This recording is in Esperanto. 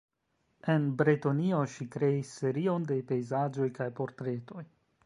En Bretonio ŝi kreis serion de pejzaĝoj kaj portretoj.